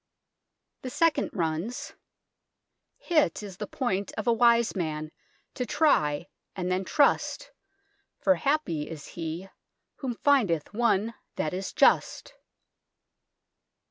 The second runs :" Hit is the poynt of a wise man to try and then truste, for hapy is he whome fyndeth one that is just."